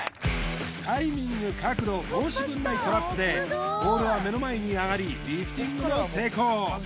タイミング角度申し分ないトラップでボールは目の前に上がりリフティングも成功